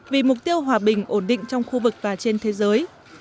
vì mục tiêu hòa bình ổn định trong khu vực và trên thế giới